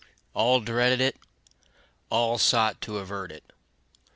All dreaded it all sought to avert it.